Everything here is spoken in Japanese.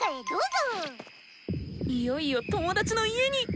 いよいよ友達の家に！